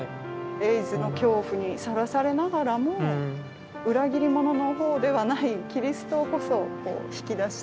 エイズの恐怖にさらされながらも裏切り者のほうではないキリストをこそこう引き出して。